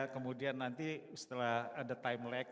kemudian nanti setelah ada time lag